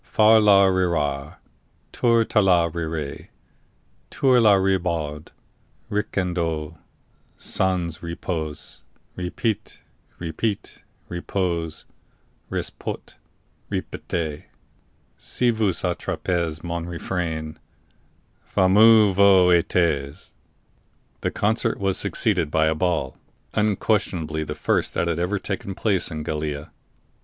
Far la rira, Tour tala rire, Tour la Ribaud, Ricandeau, Sans repos, repit, repit, repos, ris pot, ripette! Si vous attrapez mon refrain, Fameux vous etes."_ The concert was succeeded by a ball, unquestionably the first that had ever taken place in Gallia.